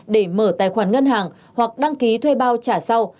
để mở tài khoản ngân hàng hoặc đăng ký thuê bao trả sau